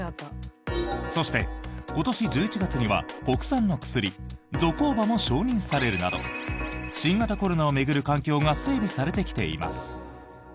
そして、今年１１月には国産の薬、ゾコーバも承認されるなど新型コロナを巡る環境が整備されてきています。